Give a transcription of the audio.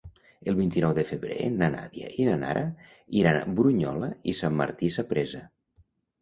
El vint-i-nou de febrer na Nàdia i na Nara iran a Brunyola i Sant Martí Sapresa.